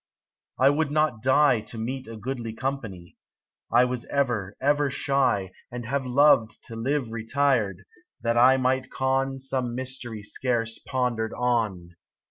I WOULD not die To meet a goodly company ; I was ever, ever shy. And have loved to live retired. That I might con Some mystery scarce pondered on.